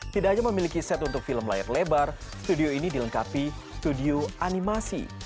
tidak hanya memiliki set untuk film layar lebar studio ini dilengkapi studio animasi